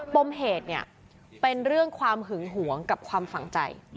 ปมเหตุเนี่ยเป็นเรื่องความหึงหวงกับความฝังใจ